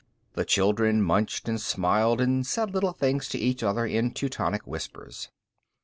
The children munched and smiled and said little things to each other in Teutonic whispers.